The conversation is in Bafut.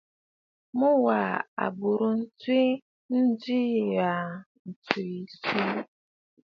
Mu wa à bùrə nswìʼi njiʼì ya tsiʼì swìʼì!